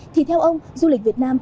thì theo ông du lịch việt nam